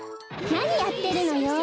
なにやってるのよ！